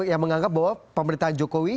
yang menganggap bahwa pemerintahan jokowi